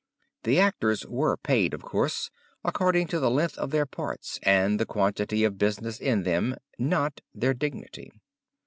The actors were paid, of course, according to the length of their parts and quantity of business in them, not their dignity.